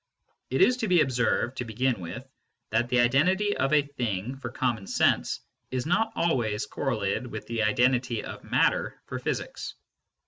It is to be observed, to begin with, that the identity of a thing for common sense is not always correlated with the identity of matter for physics.